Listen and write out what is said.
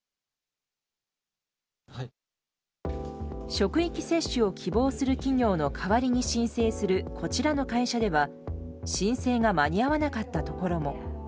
職域接種を希望する企業の代わりに申請するこちらの会社では申請が間に合わなかったところも。